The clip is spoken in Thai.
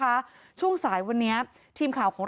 เพราะทนายอันนันชายเดชาบอกว่าจะเป็นการเอาคืนยังไง